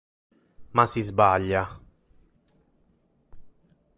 Ma si sbaglia.